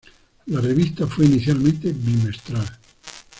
La revista fue inicialmente bimestral.